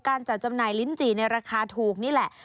การจัดจำหน่ายลิ้นจี่ในราคาถูกนี่แหละ